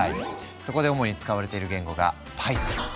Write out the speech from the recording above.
そこで主に使われている言語が「Ｐｙｔｈｏｎ」。